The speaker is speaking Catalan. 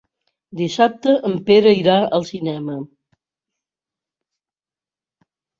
Dissabte en Pere irà al cinema.